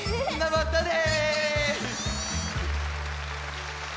またね！